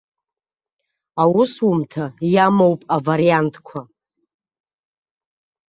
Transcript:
Аусумҭа иамоуп авариантқәа.